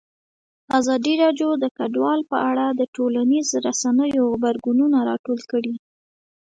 ازادي راډیو د کډوال په اړه د ټولنیزو رسنیو غبرګونونه راټول کړي.